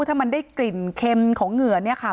ถ้ามันได้กลิ่นเค็มของเหงื่อเนี่ยค่ะ